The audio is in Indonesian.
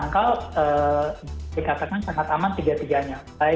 keamanan chat itu